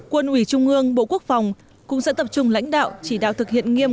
quân ủy trung ương bộ quốc phòng cũng sẽ tập trung lãnh đạo chỉ đạo thực hiện nghiêm